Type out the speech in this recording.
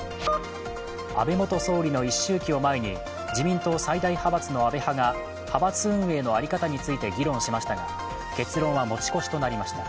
安倍元総理の一周忌を前に自民党最大派閥の安倍派が派閥運営の在り方について議論しましたが結論は持ち越しとなりました。